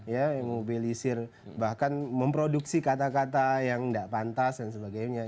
ya memobilisir bahkan memproduksi kata kata yang tidak pantas dan sebagainya